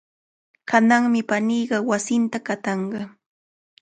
Kananmi paniiqa wasinta qatanqa.